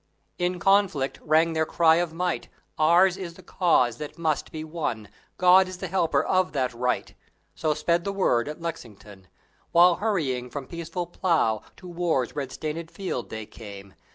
In conflict rang their cry of might, "Ours is the cause that must be won; God is the helper of the right!" So sped the word at Lexington, While hurrying from peaceful plow To war's red stainéd field they came.